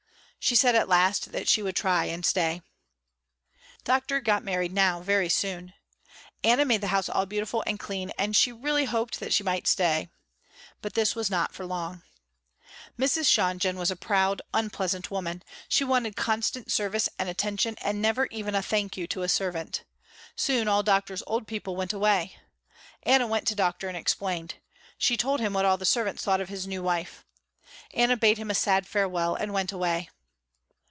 She said at last that she would try and stay. Doctor got married now very soon. Anna made the house all beautiful and clean and she really hoped that she might stay. But this was not for long. Mrs. Shonjen was a proud, unpleasant woman. She wanted constant service and attention and never even a thank you to a servant. Soon all Doctor's old people went away. Anna went to Doctor and explained. She told him what all the servants thought of his new wife. Anna bade him a sad farewell and went away.